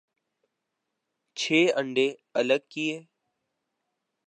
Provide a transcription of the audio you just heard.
چھ انڈے الگ کئے ۔